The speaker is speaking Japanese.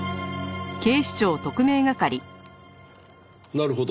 なるほど。